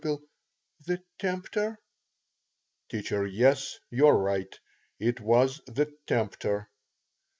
_ The tempter. T. Yes, you are right. It was the tempter.